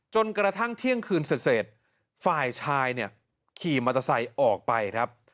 จนกระทั่งเที่ยงคืนเสร็จฝ่ายชายเนี่ยขี่มอเตอร์ไซค์ออกไปครับ